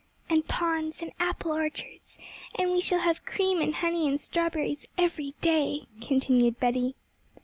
'And ponds, and apple orchards, and we shall have cream, and honey, and strawberries every day!' continued Betty.